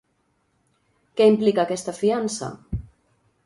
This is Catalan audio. Què implica aquesta fiança?